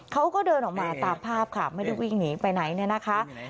เขาก็เดินออกมาตามภาพค่ะไม่ได้วิ่งหนีไปไหนเนี่ยนะคะ